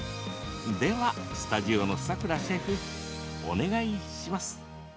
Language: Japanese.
では、スタジオのさくらシェフお願いします。